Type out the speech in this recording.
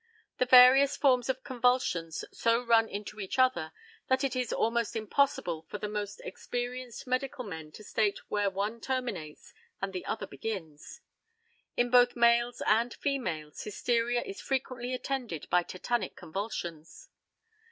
The various forms of convulsions so run into each other that it is almost impossible for the most experienced medical men to state where one terminates and the other begins. In both males and females hysteria is frequently attended by tetanic convulsions.